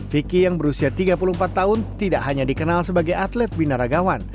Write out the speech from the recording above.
vicky yang berusia tiga puluh empat tahun tidak hanya dikenal sebagai atlet binaragawan